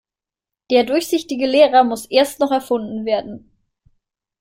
Der durchsichtige Lehrer muss erst noch erfunden werden.